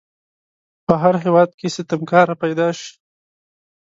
په هر هیواد کې ستمکاره پیداشي.